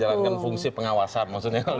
menjalankan fungsi pengawasan maksudnya kalau